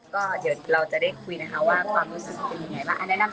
ก็เดี๋ยวเราจะได้คุยนะคะว่าความรู้สึกเป็นยังไงบ้าง